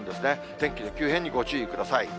天気の急変にご注意ください。